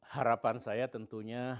harapan saya tentunya